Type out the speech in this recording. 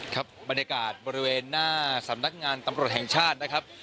ครับบรรยากาศบริเวณหน้าสำนักงานตำรวจแห่งชาตินะครับ